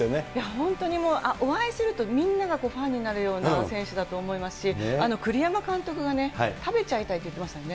本当にもう、あっ、お会いすると、みんながファンになるような選手だと思いますし、栗山監督がね、食べちゃいたいって言ってましたもんね。